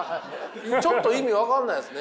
ちょっと意味分かんないですね。